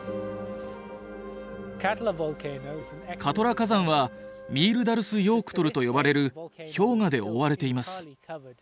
カトラ火山はミールダルスヨークトルと呼ばれる氷河で覆われています。